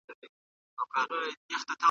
زده کړه یوازې په ټولګي کې نه کیږي.